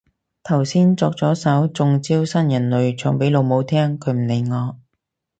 頭先作咗首中招新人類唱俾老母聽，佢唔理我